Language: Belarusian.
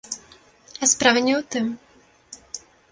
А справа не ў тым.